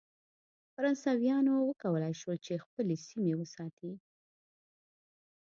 فرانسویانو وکولای شول چې خپلې سیمې وساتي.